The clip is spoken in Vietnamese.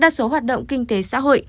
đa số hoạt động kinh tế xã hội